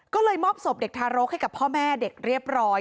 ก็เลยมอบศพเด็กทารกให้กับพ่อแม่เด็กเรียบร้อย